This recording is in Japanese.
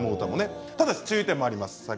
ただし、注意点もあります。